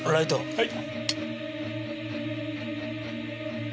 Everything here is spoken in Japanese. はい！